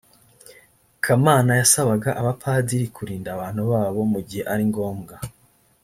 kamana yasabaga abapadiri kurinda abantu babo mugihe ari ngombwa